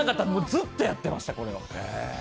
ずっとやってました、これを。